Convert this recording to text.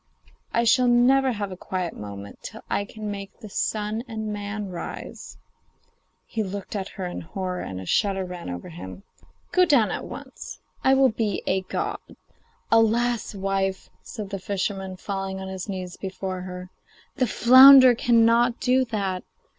I shall never have a quiet moment till I can make the sun and man rise.' He looked at her in horror, and a shudder ran over him. 'Go down at once; I will be a god.' 'Alas! wife,' said the fisherman, falling on his knees before her, 'the flounder cannot do that.